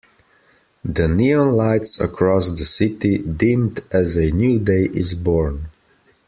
The neon lights across the city dimmed as a new day is born.